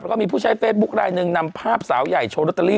แล้วก็มีผู้ใช้เฟซบุ๊คลายหนึ่งนำภาพสาวใหญ่โชว์ลอตเตอรี่